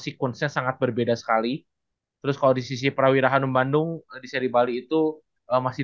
sekuensnya sangat berbeda sekali terus kalau di sisi prawira hanum bandung di seri bali itu masih